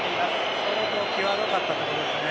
相当際どかったということですね。